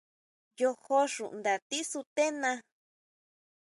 Yojó xunda tisutena.